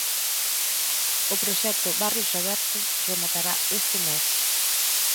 O proxecto Barrios Abertos rematará este mes.